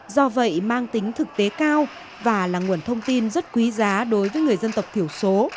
do vậy mang tính thực tế cao và là nguồn thông tin rất quý giá đối với người dân tộc thiểu số